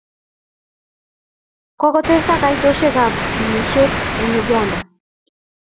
koktesak kaitoshek ab rumishet en Uganda